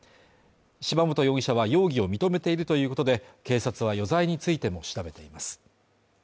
柴本容疑者は容疑を認めているということで、警察は余罪についても調べています。